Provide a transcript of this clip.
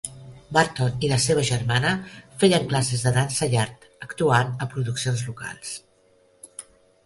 Burton i la seva germana feien classes de dansa i art, actuant a produccions locals.